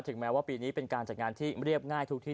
แม้ว่าปีนี้เป็นการจัดงานที่เรียบง่ายทุกที่